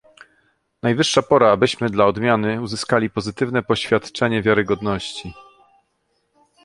Najwyższa pora, abyśmy dla odmiany uzyskali pozytywne poświadczenie wiarygodności